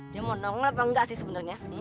dia mau nongol apa enggak sih sebenernya